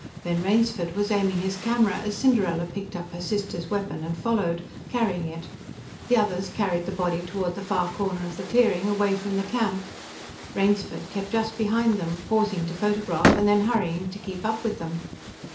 Ben Rainsford was aiming his camera as Cinderella picked up her sister's weapon and followed, carrying it; the others carried the body toward the far corner of the clearing, away from the camp. Rainsford kept just behind them, pausing to photograph and then hurrying to keep up with them.